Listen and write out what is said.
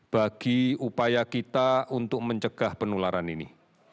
bagi upaya kita untuk mencegah penularan ini